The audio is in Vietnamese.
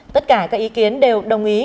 tất cả các ý kiến đều đồng ý